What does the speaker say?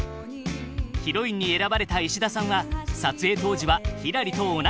ヒロインに選ばれた石田さんは撮影当時はひらりと同い年。